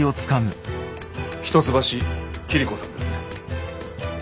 一橋桐子さんですね。